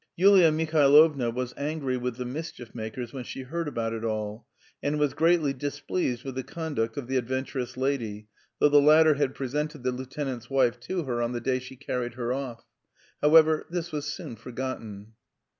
Yulia Mihailovna was angry with the mischief makers when she heard about it all, and was greatly displeased with the conduct of the adventurous lady, though the latter had presented the lieutenant's wife to her on the day she carried her off. However, this was soon forgotten.